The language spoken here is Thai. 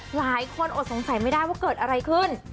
อดสงสัยไม่ได้ว่าเกิดอะไรขึ้น